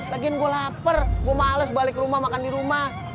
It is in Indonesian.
lagiin gue lapar gue males balik rumah makan di rumah